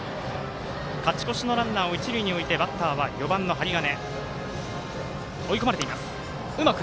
勝ち越しのランナーを一塁に置いてバッターは４番の針金。